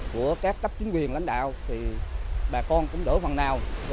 của các cấp chính quyền lãnh đạo thì bà con cũng đổi phần nào